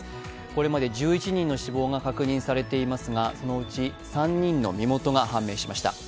これまで１１人の死亡が確認されていますがそのうち３人の身元が判明しました